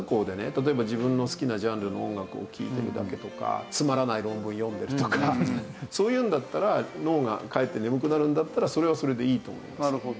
例えば自分の好きなジャンルの音楽を聴いてるだけとかつまらない論文読んでるとかそういうのだったら脳がかえって眠くなるんだったらそれはそれでいいと思います。